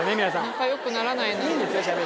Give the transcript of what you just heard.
仲よくならないな。